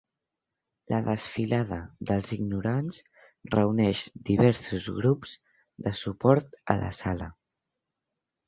La "Desfilada dels ignorants"reuneix diversos grups de suport a la sala.